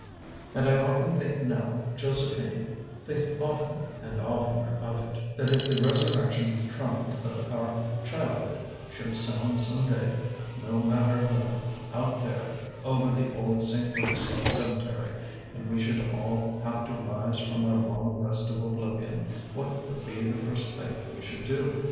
And I often think now, Josephine, think oftener and oftener of it, that if the resurrection trumpet of our childhood should sound some day, no matter when, out there, over the old St. Louis cemetery, and we should all have to rise from our long rest of oblivion, what would be the first thing we should do?